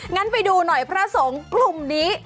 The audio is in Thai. งั้นไปดูหน่อยพระสงฆ์กลุ่มนี้